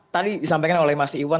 tadi disampaikan oleh mas iwan